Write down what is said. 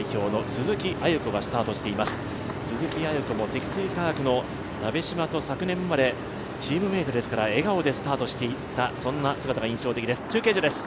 鈴木亜由子も積水化学の鍋島と昨年までチームメートですので笑顔でスタートしていった、そんな姿が印象的です。